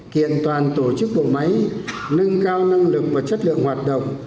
kiện toàn tổ chức bộ máy nâng cao năng lực và chất lượng hoạt động